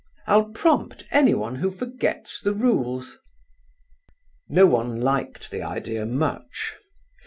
I'll prompt anyone who forgets the rules!" No one liked the idea much.